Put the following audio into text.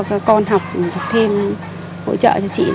cho con học thêm hỗ trợ cho chị